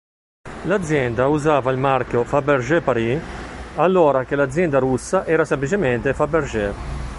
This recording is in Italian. L'azienda usava il marchio "Fabergé Paris" allora che l'azienda russa era semplicemente "Fabergé".